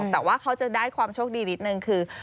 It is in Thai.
แต่ว่าเขาจะได้ความโชคดีนิดนึงคือ